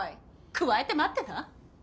くわえて待ってな。